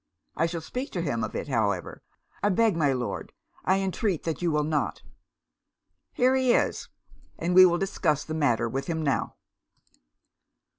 'I shall speak to him of it, however.' 'I beg, my Lord I intreat that you will not.' 'Here he is and we will discuss the matter with him now.'